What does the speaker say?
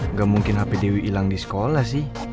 nggak mungkin hp dewi hilang di sekolah sih